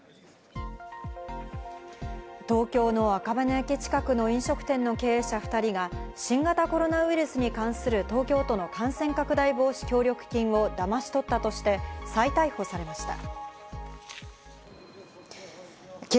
東京の赤羽駅近くの飲食店の経営者２人が新型コロナウイルスに関する東京都の感染拡大防止協力金をだまし取ったとして再逮捕されました。